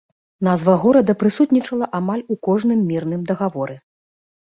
Назва горада прысутнічала амаль у кожным мірным дагаворы.